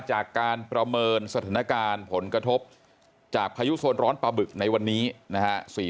จากการประเมินสถานการณ์ผลกระทบจากพายุโซนร้อนปลาบึกในวันนี้นะฮะ